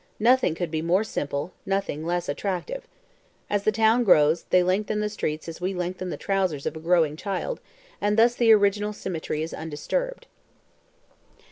Nothing could be more simple, nothing less attractive. As the town grows, they lengthen the streets as we lengthen the trousers of a growing child, and thus the original symmetry is undisturbed.